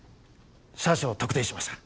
車種を特定しました。